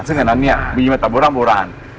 ซึ่งอันนั้นเนี่ยมีมาตั้งแต่โบราณ